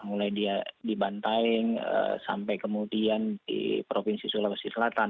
mulai dia dibantai sampai kemudian di provinsi sulawesi selatan